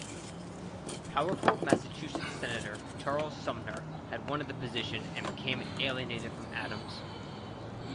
Powerful Massachusetts Senator Charles Sumner had wanted the position and became alienated from Adams.